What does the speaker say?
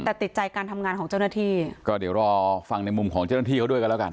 แต่ติดใจการทำงานของเจ้าหน้าที่ก็เดี๋ยวรอฟังในมุมของเจ้าหน้าที่เขาด้วยกันแล้วกัน